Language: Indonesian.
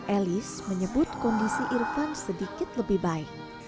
elis menyebut kondisi irfan sedikit lebih baik